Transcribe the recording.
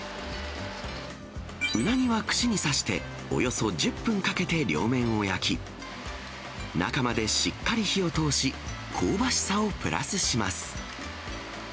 うなぎは串に刺して、およそ１０分かけて両面を焼き、中までしっかり火を通し、香ばしさをプラスします。